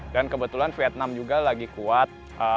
dan kebetulan vietnam juga lagi kuat